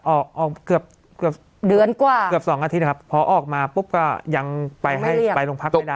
ออกเกือบ๒อาทิตย์ครับเพราะออกมาปุ๊บก็ยังไปลงพักไม่ได้